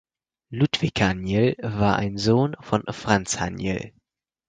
Ludwig Haniel war ein Sohn von Franz Haniel.